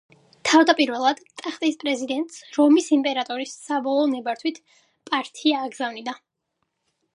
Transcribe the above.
თავდაპირველად ტახტის პრეტენდენტს რომის იმპერატორის საბოლოო ნებართვით პართია აგზავნიდა.